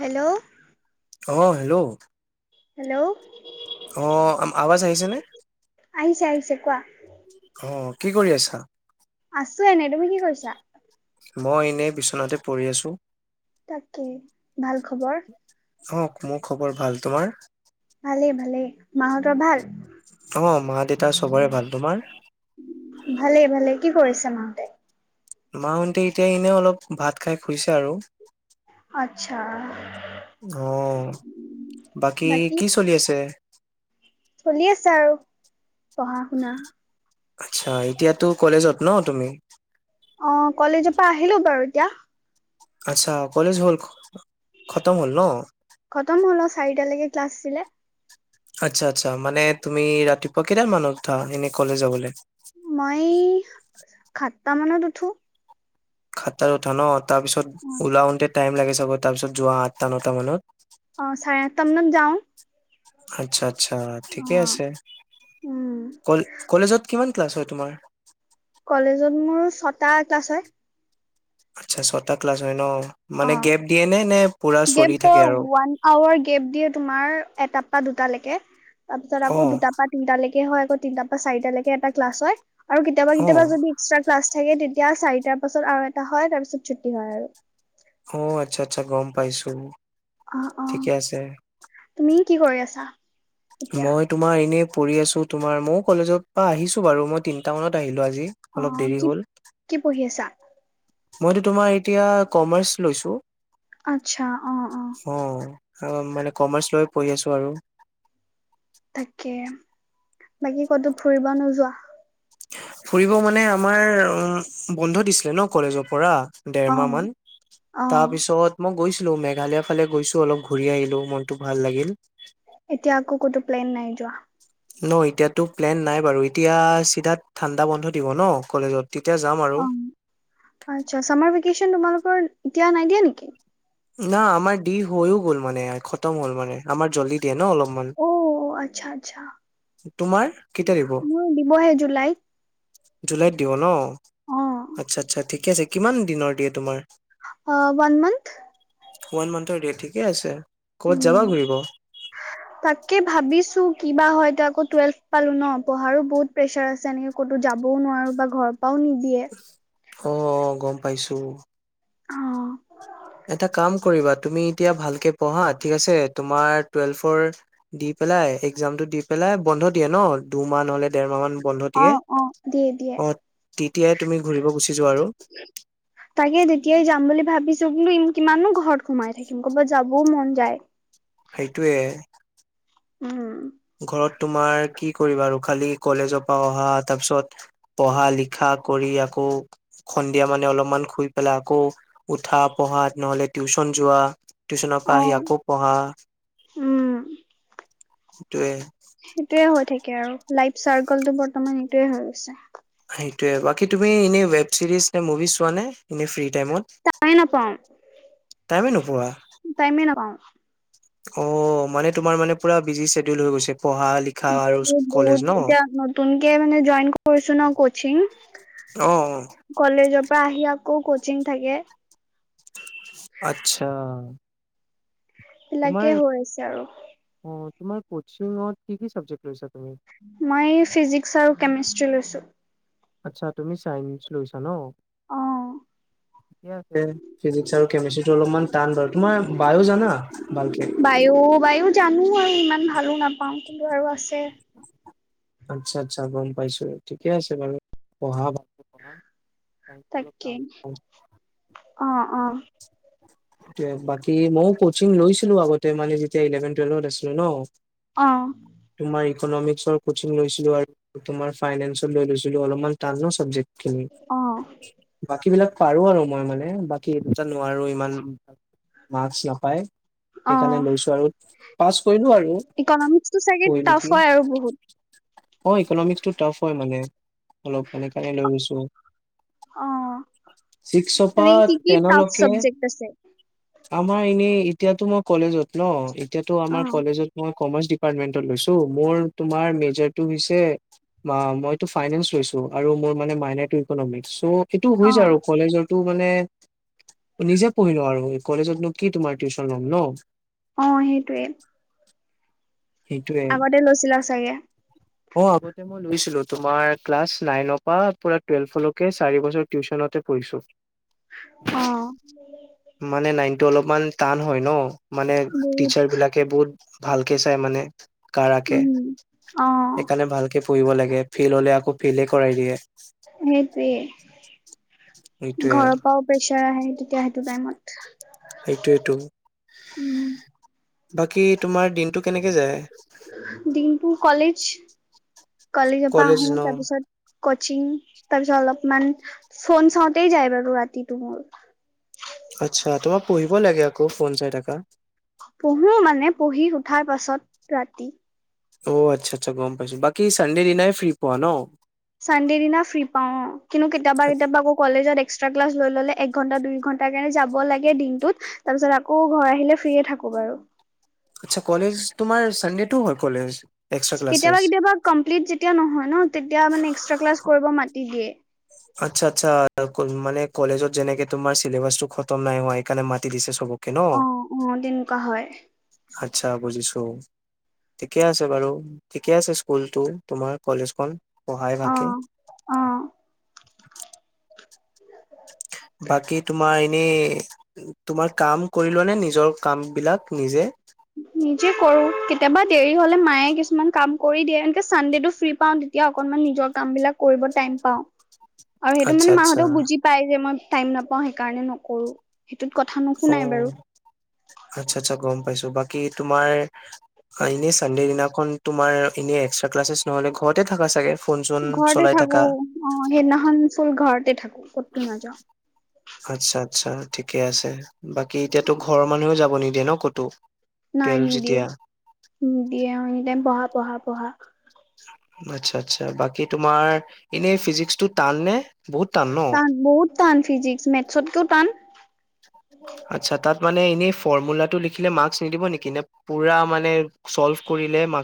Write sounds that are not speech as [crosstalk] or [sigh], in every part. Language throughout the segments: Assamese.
হেল্ল'। অ হেল্ল' হেল্ল'। অ আম আৱাজ আহীছে নে আহিছে আহিছে কোৱা অ কি কৰি আছা আছো এনেই তুমি কি কৰিছা মই এনে বিচনাতে পৰি় আছো তাকে ভাল খবৰ আহক মোৰ খবৰ ভাল তোমাৰ ভালেই ভালে মাহঁতৰ ভাল অ মা দেউতা চবৰে ভাল তোমাৰ ভালেই ভালেই কি কৰিছে মাহতে মাহতে এতিয়া এনেই অলপ ভাত খাই খুইছে আৰু আচ্ছা অ বাকী কি চলি আছে চলি আছে আৰু পঢ়া শুনা আচ্ছা এতিয়াতো কলেজত ন তুমি অ কলেজৰ পৰা আহিলো বাৰু এতিয়া আচ্ছা কলেজ হ'ল খতম হ'ল ন খতম হল চাৰিটালৈকে ক্লাছ আঁছিলে আচ্ছা আচ্ছা মানে তুমি ৰাতিপুৱা কেইটাম মানত উঠা এনেই কলেজ যাবলৈ হাত তা মানত উঠো হাত তাত উঠা ন তাৰ পিছত ওলাওতে টাইম লাগে চাগে তাৰপিছত যোৱা আঠটা নটা মানত অ চাৰে আঠটা মানত যাও আচ্ছা আচ্ছা অ ঠিকে আছে উম কলেজত কিমান ক্লাছ তোমাৰ কলেজত মোৰ ছটা ক্লাছ হয় আচ্ছা ছটা ক্লাছ হয় ন মানে অ গেপ দিয়ে নে নে পুৰা চলি গেপ থাকে আৰু ওৱান আৱাৰ গেপ দিয়ে তোমাৰ এট পৰা দুটালৈকে তাৰ পিছত অ আকৌ দুটা পৰা তিনটালৈকে হয় তিনটা পৰা চাৰিট লকে এটা ক্লাছ হয় আৰু কেতিয়াবা অ কেতিয়াবা যদি এক্স্ৰা ক্লা চাগে তেতিয়া চাৰিটাৰ পাছত আৰু এটা হয় তাৰ পিছত ছুটি হয় আৰু অ আচ্ছা আচ্ছা গম পাইছো অ অ ঠিকে আছে তুমি কি কৰি আছা এতিয়া? মই তোমাৰ এনে পঢ়ি আছো তোমাৰ মইও কলেজৰ পৰা আহিছো বাৰু মই তিনিটা মানত আহিলো আজি অ অলপ দেৰি কি হ'ল। কি পঢ়ি আছা? মইতো তোমাৰ এতিয়া কমাৰ্চ লৈছো। আচ্ছা অ অ আৰু মানে কমাৰ্চ ল পঢ়ি আছো আৰু তাকে বাকী কতো ফুৰিব নোযোৱা? ফুৰিব মানে আমাৰ উ, বন্ধ দিছিলে ন কলেজৰ পৰা অ দেৰমাহ মান, অ তাৰপিছত মই গৈছ লো মেঘালয় ফালে গৈছো অলপ ঘূৰি আহিলো মনতটো ভাল লাগিল। এতিয়া আকৌ কোতো প্লেন নাই যোৱা ন এতিয়াতো প্লেন নাই বাৰু এতিয়া চিধা ঠাণ্ডা বন্ধ দিব ন কলেজত। তেতিয়া যাম আৰু অ আচ্ছা চামাৰ ভেকেচন তোমালোক এতিয়া নাই দিয়া নেকি? না আমাৰ দি হৈও গ'ল মানে খতম হ'ল মানে, আমাৰ জল্দি দিয়ে ন অলপ। অ' আচ্ছা-আচ্ছা তোমাৰ কেতিয়া দিব মোৰ দিবহে জুলাইত জুলাইত দিব ন? অ', আচ্ছা-আচ্ছা ঠিকে আছে কিমান দিনৰ দিয়ে তোমাৰ? অ ওৱান মান্থ। ওৱান মান্থৰ দিয়ে, ঠিকে আছে। ক'বাত উম, যাবা ঘুৰিব তাকে ভাবিছো কিবা হয় এতিয়া আকৌ টুৱেলভ পালো ন পঢ়াৰো বহুত প্ৰেছাৰ আছে, এনেক ক'তো যাবও নোৱাৰো বা ঘৰত নিদিয়ে অ' গম পাইছো অ', এটা কাম কৰিবা তুমি এতিয়া ভালকে পঢ়া, ঠিক আছে? তোমাৰ টুৱেলভৰ দি পেলাই এক্সামটো দি পেলাই বন্ধ দিয়ে ন দুমাহ নহলে দেৰ মাহ মান বন্ধ দিয়ে অ' অ' দিয়ে-দিয়ে অ তেতিয়াই তুমি ঘুৰিব গুচি যোৱা আৰু তাকে তেতিয়াই যাম বুলি ভাবিছো কিন কিমান ন ঘৰত সোমাই থাকিম ক'ৰবাত যাবও মন যায়। সেইটোয়ে উম ঘৰত তোমাৰ কি কৰিবা আৰু খালি কলেজৰ পৰা অহা তাৰপিছত পঢ়া লিখা কৰি আকৌ সন্ধিয়া মানে অলপমান শুই পেলাই আকৌ উঠা পঢ়া নহলে টিউচন যোৱা। টিউচনৰ পৰা আহি অ', আকৌ পঢ়া। উম, সেইটোয়ে সেইটোয়ে হৈ থাকে আৰু লাইফ চাৰ্কলটো বৰ্তমান এইটোৱে হৈ গৈছে। সেইটোয়ে বাকী তুমি এনেই ৱেব চিৰিজ নে মুভি চোৱা নে এনে ফ্ৰী টাইমত? টাইমে টাইমে নোপোৱা টাইম এ নাপাওঁ। অ' মানে তোমাৰ মানে পুৰা বিজি শেডিউল হৈ গৈছে। পঢ়া লিখা আৰু ব বু কলেজ এতিয়া ন নতুনকে মানে জইন কৰিছো ন কোচিং অ অ পৰা আহি আকৌ কচিং থাকে আচ্ছা তোমাৰ এইবিলাকে হৈ আছে আৰু অ তোমাৰ কোচিঙৰ কি কি চাবজেক্ট লৈছা তুমি মই ফিজিক্স আৰু কেমেষ্ট্ৰি লৈচো আচ্ছা তুমি চাইন্ঞ্চ লৈছা ন অ ঠিকে আছে ফিজিকস আৰু কেমেষ্ট্ৰিটো অলপমান টান ধ তোমাৰ বায়ো জানা ভালকে বায়ু বায়ু জানো আৰু ইমান ভালো নাপাও কিন্তু আৰু আছে আচ্ছা আচ্ছা গম পাইছো ঠিকে আছে বাৰু পঢ়া ভালকে পঢ়া চাইন্সটো অলপ তাকে টান অ অ বাকী মইও কচিং লৈছিলো আগতে মানে যেতিয়া ইলেভেন টুৱেলভত আছিলো ন অ তোমাৰ ইকনমিক্সৰ কোচিং লৈছিলো আৰু তোমাৰ ফাইনেন্সত লৈ লৈছিলো অলপমান টান ন অ চাবজেক্ট বাকী বিলাক পাৰো আৰু মই মানে বাত সেই দুটা নোৱাৰো ইমান মাছ নাপায় অ সেইকাৰণে লৈছো আৰু পাছ কৰিলো আৰু ইকনমিক্সটো চাগে কৰি টাফ নেকি হয় আৰু বহুত অ ইকনমিক্স টো টাফ হয় মানে অলপ কাল কাৰণে লৈছো অ ছিক্সৰ পৰা তেনেকে কি কি টাফ টেনলৈকে চাবজেক্ট আছে আমাৰ এনেই এতিয়াতো মই কলেজত ন এতিয়াতো অ আমাৰ কলেজত মই কমাৰ্চ দিপামেন্টত লৈছো মোৰ তোমাৰ মেজৰ টো হৈছে মইতো ফাইনেন্স লৈছো আৰু মোৰ মানে মাইনৰটো ইকনমিক্স চ সেইটো হৈ অ যায় আৰু কলেজৰ তো মানে নিজে পঢ়িলো আৰু কলেজতনো কি তোমাৰ টিউশ্যন ল'ম ন অ সেইটোৱে সেইটোয়ে আগতে লৈছিলা চাগে অ আগতে মই লৈছিলা তোমাৰ ক্লাছ নাইনপা পুৰা টুয়েলভলৈকে চাৰি বছৰ টিউশ্যনতে কৰিছো অ মানে নাইনটো অলপমান টান হয় ন মানে বহুত টিচাৰ বিলাকে, বহুত ভালকে চাই মানে কাৰাকে উম অ সেইকাৰণে ভালকে পঢ়িব লাগে। ফেইল হ'লে, আকৌ ফেলে কৰাই দিয়ে। সেইটোৱেই। সেইটোয়ে ঘৰৰ পৰাও প্ৰেছাৰ আহে। তেতিয়া সেইটো টাইমত। সেইটোৱেই টো। উম বাকী তোমাৰ দিনটো কেনেকে যায় দিনটো কলেজ কলেজৰ পৰা কলেজ আহোঁ, ন তাৰপিছত কচিং তাৰপিছত অলপমান ফোন চাওঁতেই যায় বাৰু ৰাতিটো মোৰ। আচ্ছা, তোমাৰ পঢ়িব লাগে, আকৌ ফোন চাই থকা। পঢ়ো মানে পঢ়ি উঠাৰ পাছত ৰাতি অ আচ্ছা, আচ্ছা, গম পাইছোঁ। বাকী চানডে দিনাই ফ্ৰী পোৱা ন? চানডে দিনা ফ্ৰী পাওঁ অ, কিন্তু কেতিয়াবা কেতিয়াবা আকৌ কলেজত এক্সট্ৰা ক্লাছ লৈ ল'লে এক ঘন্টা, দুই ঘন্টাৰ কাৰণে যাব লাগে দিনটোত। তাৰ পিছত আকৌ ঘৰ আহিলে ফ্ৰীয়ে থাকো বাৰু। আচ্ছা কলেজ তোমাৰ, চানডেতো হয় কলেজ? এক্সট্ৰা কেতিয়াবা ক্লাছেছ কেতিয়াবা কমপ্লিট যেতিয়া নহয় ন। তেতিয়া মানে এক্সট্ৰা ক্লাছ কৰিব মাতি দিয়ে। আচ্ছা। আচ্ছা। মানে কলেজত যেনেকে তোমাৰ চিলেবাচ টো খতম নাই হোৱা সেইকাৰণে মাতি দিছে চবক অ' অ' তেনেকুৱা হয়। আচ্ছা বুজিছোঁ, ঠিকে আছে বাৰু, ঠিকে আছে স্কুলটো, তোমাৰ কলেজখন। পঢ়ায় ভালকে। অ অ এই তোমাৰ কাম কৰিলোৱা নে? নিজৰ কাম বিলাক নিজে? নিজে কৰোঁ। কেতিয়াবা দেৰি হলে মায়ে কিছুমান কাম কৰি দিয়ে, এনেকে চানডেটো ফ্ৰী পাওঁ তেতিয়া অকনমান নিজৰ কাম বিলাক কৰিব টাইম পাওঁ। আৰু সেইটো আচ্ছা মানে আচ্ছা মাহঁতেও বুজি পায় যে মই টাইম নাপাওঁ সেইকাৰণে নকৰোঁ। ‌ তো কথা অ নুশুনাই বাৰু। পাইছোঁ। বাকী তোমাৰ, এনে চানডে দিনাখন তোমাৰ, এনে এক্সট্ৰা ক্লাচছ নহলে ঘৰতে থাকা চাগে? ফোন চোন ঘৰতে চলাই থাকা থাকো অঁ, সেইদিনাখন চোন ঘৰতে থাকো কতো নাযাও। আচ্ছা আচ্ছা ঠিকে আছে। বাকী এতিয়াটো ঘৰৰ মানুহে যাব নিদি য়ে ন ক'তো। নাই টুৱেলভ যেতিয়া নিদিয়ে- নিদিয়ে, অঁ এনি টাইম পঢ়া পঢ়া-পঢ়া। আচছা-আচছা, বাকী তোমাৰ এনে ফিজিক্স টো টান নে? বহুত টান ন। টান ফিজিক্স, মেথছতকও টান। আচ্ছা, তাত মানে ইনেই ফৰ্মুলাটো লিখিলে মাৰ্কচ নিদিব নেকি নে পুৰা মানে চ'ল্ভ কৰিলে ম্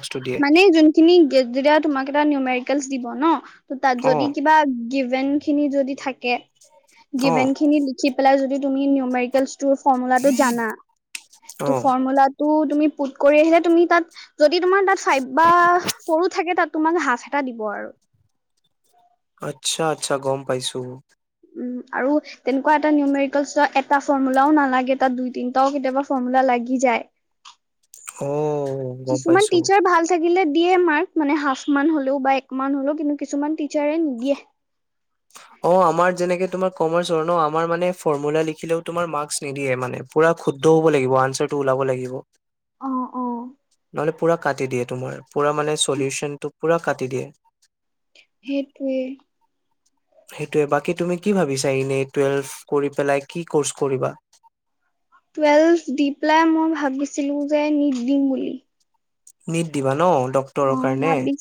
মানে যোনখিনি যেতিয়া তোমাক এটা নিয়মাৰ কেলছ দিব ন ত তাত অ যদি কিবা গিভেণ্টখিনি যদি থাকে অ গিভেন খিনি লিখি পেলাই যদি তুমি নিউমেৰিকেল তোৰ ফৰ্মুলাটো জানা, অ তোৰ ফৰ্মুলা টো তুমি পোট কৰি আহিলে তুমি তাত যদি তোমাৰ ফাইভ বা ফৌৰ ও থাকে তাত তোমাক হাফ এটা দিব আৰু। আচ্ছা-আচ্ছা, গম পাইছো। উম আৰু তেনেকুৱা এটা নিউমেৰিকেলছ এটা ফৰ্মুলাও নালাগে, তাত দুই তিনটাও কেতিয়াবা ফৰ্মুলা লাগি যায়। অ' গম কিছুমান পাইছো টিচাৰ ভাল থাকিলে দিয়ে মাৰ্ক মানে হাফ মান হ'লেও বা এক মান্ হ'লেও, কিন্তু কিছুমান টিচাৰে নিদিয়ে। অঁ আমাৰ যেনেকে তোমাৰ কমাৰ্চৰ ন, আমাৰ মানে ফৰ্মুলা লিখিলেও তোমাৰ মাৰ্ক্স নিদিয়ে মানে, পোৰা শুদ্ধ হ'ব লাগিব, আনচাৰটো ওলাব লাগিব। অঁ, অঁ। মানে পুৰা কাটি দিয়ে তোমাৰ। পুৰা মানে চলিউচনটো পুৰা কাটি দিয়ে। সেইটোৱে। সেইটোৱে বাকী তুমি কি ভাবিছা এনেই টুৱেলভ কৰি পেলাই কি কৰ্চ কৰিবা? টুৱেলভ দি পেলাই মই ভাবিছিলো যে নিট দিম বুলি। নিট দিবা ন? ডক্তৰৰ অ কাৰণে। ভাবিছ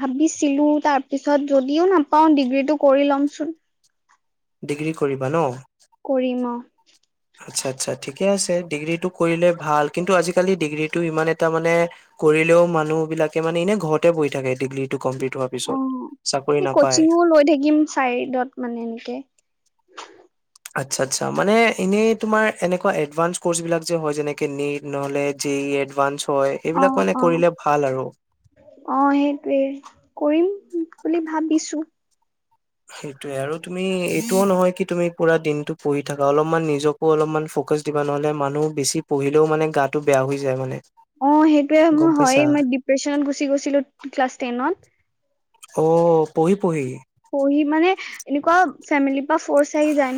ভাবিছিলো তাৰ পিছত যদিও নাপাও ডিগ্ৰীটো কৰি লমচোন। ডিগ্ৰী কৰিবা ন? কৰিম অ'। উ আচ্ছা আচ্ছা ঠিকে আছে ডিগ্ৰীটো কৰিলে ভাল, কিন্তু আজিকালি ডিগ্ৰীটো ইমান এটা মানে কৰিলেও মানুহ বিলাকে মানে এনে ঘৰতে বহি থাকে ডিগ্ৰী অ', নে কচিঙো লৈ থাকিম চাইডত মানে এনেকে। আচ্ছা আচ্ছা মানে এনেই তোমাৰ এনেকুৱা এডভানস কৰ্চ বিলাক যে হয় যেনেকে নিত নহলে যে ই এডভানস। অ', অ', অ', সেইটোৱে কৰিম বুলি ভাবিছো। সেইটোয়ে আৰু তুমি [unintelligible] নহয় কি তুমি পুৰা দিন অ', সেইটোৱে মোৰ হয়ে, মই ডিপ্ৰেচনত অ', পহি পহি। পঢ়ি মানে এনেকুৱা ফেমিলি ফৰ্চ আহি যায়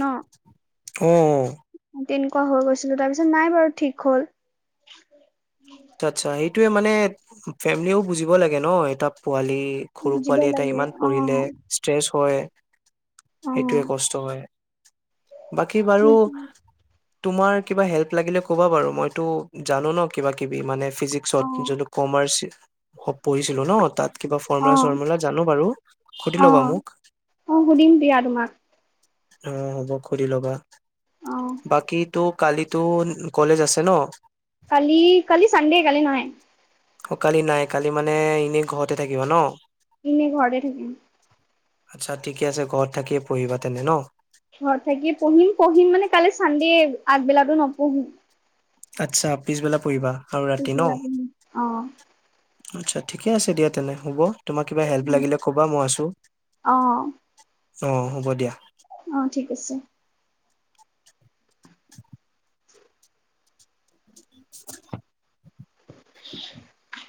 অ ন। তেনেকুৱা হৈ গৈছিলো, তাৰপিছত নাই বাৰু ঠিক হ'ল। আচ্ছা আচ্ছা, সেইটোয়ে মানে ফেমিলিয়েও বুজিব লাগে ন, এটা পোৱালি সৰু বুজিব পোৱালি এটায়ে লাগে ইমান অ পঢ়িলে ষ্ট্ৰেছ হয়। অ সেইটোৱে কষ্ট হয়, বাকী বাৰু সেই তোমাৰ কিবা হেল্প লাগিলে কবা বাৰু মইতো জানো ন কিবা কিবি মানে ফিজিক্সত অ জোনটো কমাৰ্চ পঢ়িছিলো ন' তাত কিবা অ ফৰ্মুলা চৰ্মুলা জানো বাৰু, সুধি অ ল'বা মোক। অ সুধিম দিয়া তোমাক অ' হ'ব, সুধি ল'বা। অ বাকী তো কালিতো কলেজ আছে ন? কালি, কালি ছানডে কালি নাই। অ' কালি নাই কালি মানে এনেই ঘৰতে থাকিবা ন? ইনেই ঘৰতে থাকিম। আচ্ছা ঠিকে আছে, ঘৰত থাকিয়ে পঢ়িবা তেনে ন? ঘৰত থাকিয়ে পঢ়িম, পঢ়িম মানে কালি ছানডে আগবেলাটো নপঢ়ো। আচ্ছা, পিছবেলা পঢ়িবা? আৰু ৰাতি ন পিছবেলা, [unintelligible] অ'। আচ্ছা, ঠিকে আছে দিয়া তেনে হ'ব। তোমাক কিবা হেল্প লাগিলে কবা, মই আছো। অ অ', হ'ব দিয়া। অ ঠিক আছে। [inaudible] [inaudible] [inaudible]